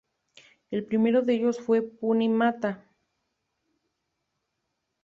El primero de ellos fue Puni-mata.